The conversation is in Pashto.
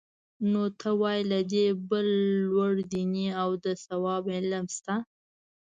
نو ته وا له دې بل لوړ دیني او د ثواب علم شته؟